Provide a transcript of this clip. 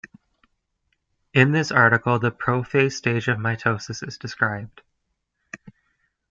In this article the prophase stage of mitosis is described.